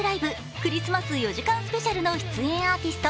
クリスマス４時間ＳＰ」の出演アーティスト